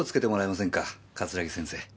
桂木先生。